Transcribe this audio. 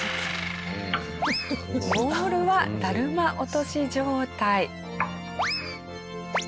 ボールはだるま落とし状態。